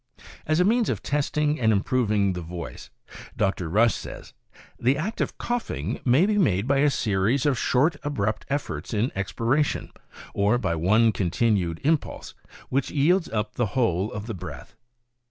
As a means of testing and improving the voice Dr. Rush says, :" The act of coughing may be made by a series of short, abrupt efforts in expiration, or by one continued impulse which yields up the whole of the breath.